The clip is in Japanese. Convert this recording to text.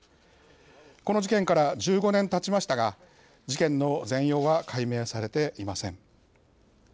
この事件から１５年たちましたが事件の全容は解明されていません。